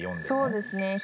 そうですね。